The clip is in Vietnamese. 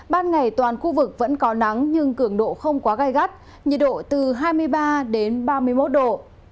ban ngày toàn khu vực vẫn có nắng nhưng cường độ không quá gai gắt nhiệt độ từ hai mươi ba đến ba mươi một độ